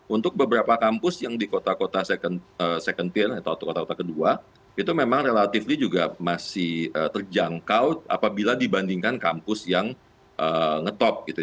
untuk beberapa kampus yang di kota kota second tear atau kota kota kedua itu memang relatifly juga masih terjangkau apabila dibandingkan kampus yang ngetop gitu